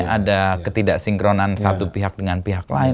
ada ketidaksinkronan satu pihak dengan pihak lain